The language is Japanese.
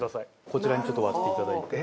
こちらにちょっと割っていただいて。